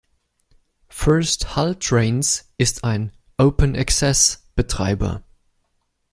First Hull Trains ist ein „open access“-Betreiber.